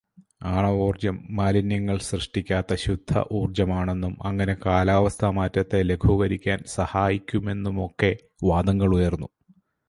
ആണവോർജം മാലിന്യങ്ങൾ സൃഷ്ടിക്കാത്ത ശുദ്ധ ഊർജമാണെന്നും അങ്ങനെ കാലാവസ്ഥാ മാറ്റത്തെ ലഘൂകരിക്കാൻ സഹായിക്കുമെന്നുമൊക്കെ വാദങ്ങൾ ഉയർന്നു.